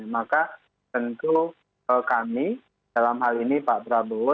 maka tentu kami dalam hal ini pak prabowo